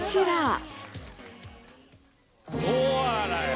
ソアラや！